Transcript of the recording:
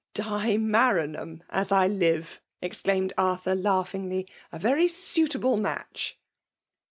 " Di Maranhatii, as I live !'* exclaimed Ar« thttr> laughingly ;'' a very suitable match."